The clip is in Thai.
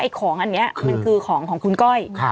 ของอันนี้มันคือของของคุณก้อย